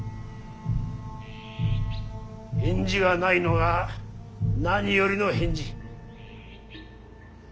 返事がないのが何よりの返事。